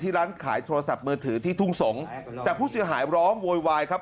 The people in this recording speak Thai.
ร้านขายโทรศัพท์มือถือที่ทุ่งสงศ์แต่ผู้เสียหายร้องโวยวายครับ